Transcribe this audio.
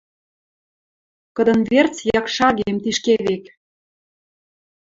Кыдын верц якшаргем тишкевек.